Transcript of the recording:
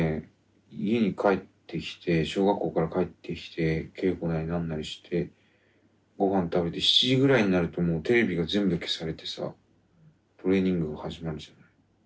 家に帰ってきて小学校から帰ってきて稽古なり何なりしてごはん食べて７時ぐらいになるともうテレビが全部消されてさトレーニングが始まるじゃない？